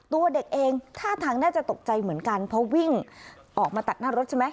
ตัวเด็กเองท่าทางน่าจะตกใจเหมือนกันเพราะวิ่งออกมาตัดหน้ารถใช่ไหม